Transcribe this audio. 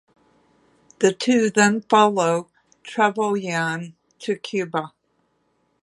The two then follow Trevelyan to Cuba.